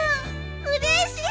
うれしい。